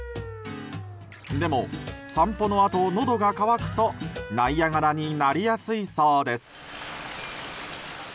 でも、散歩のあとのどが渇くとナイアガラになりやすいそうです。